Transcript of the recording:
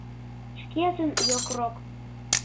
Шкетын йокрок.